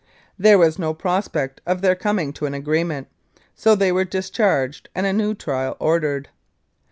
There was no prospect of their coming to an agreement, so they were discharged and a new trial ordered.